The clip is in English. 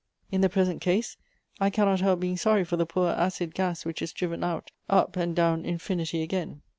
In the present case, I cannot help being sorry for the poor acid gas, which is driven out up and down infinity again."